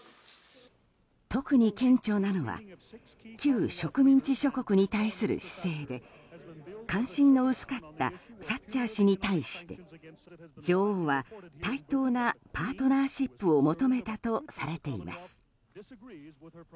特に顕著なのが旧植民地諸国に対する姿勢で関心の薄かったサッチャー氏に対して女王は対等なパートナーシップを求めたとされています。